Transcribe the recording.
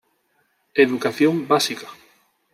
Educación básica.